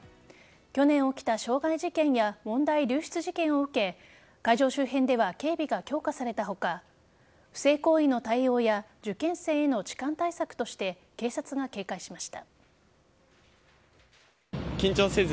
去年起きた傷害事件や問題流出事件を受け会場周辺では警備が強化された他不正行為の対応や受験生への痴漢対策として警察が警戒しました。